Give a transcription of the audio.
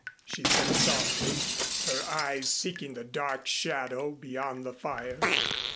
she said softly, her eyes seeking the dark shadow beyond the fire.